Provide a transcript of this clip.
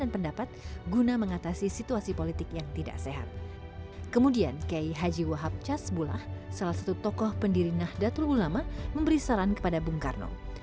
bapak proklamator ulama memberi saran kepada bung karno